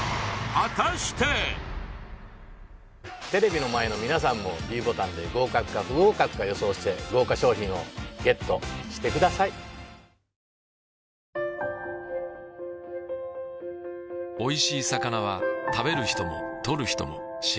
テレビの前の皆さんもｄボタンで合格か不合格か予想して豪華賞品をＧＥＴしてくださいは果たして札をあげてください